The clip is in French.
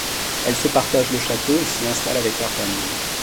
Elles se partagent le château et s'y installent avec leurs familles.